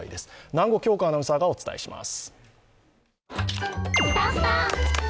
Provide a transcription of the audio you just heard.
南後杏子アナウンサーがお伝えします。